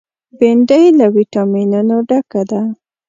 بېنډۍ له ویټامینونو ډکه ده